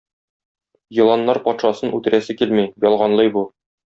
Еланнар патшасын үтерәсе килми, ялганлый бу.